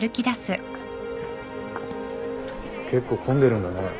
結構混んでるんだね。